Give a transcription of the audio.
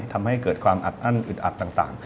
ทำให้เกิดความอัดอั้นอึดอัดต่าง